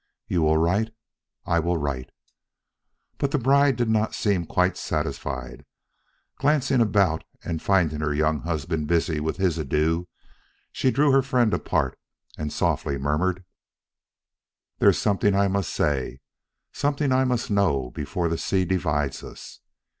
"You will write?" "I will write." But the bride did not seem quite satisfied. Glancing about and finding her young husband busy with his adieux, she drew her friend apart and softly murmured: "There is something I must say, something I must know, before the sea divides us.